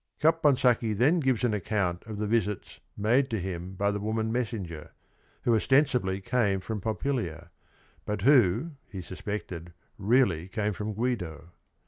Capon sacchi then gives an account of th e visits made to him by the woman messenger, who ostensibly came from Jfompilia, but who, he suspected, really came from Guido.